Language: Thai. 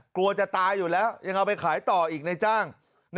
กลัวจะตายอยู่แล้วยังเอาไปขายต่ออีกในจ้าง